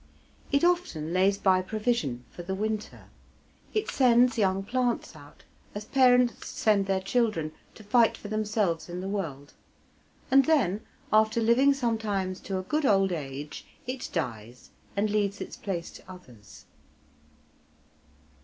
It often lays by provision for the winter. It sends young plants out, as parents send their children, to fight for themselves in the world; and then, after living sometimes to a good old age, it dies, and leaves its place to others.